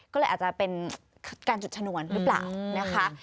ก็เลยอาจจะเป็นการจุดชนวนหรือเปล่านะคะ